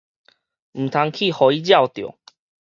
毋通去予伊抓著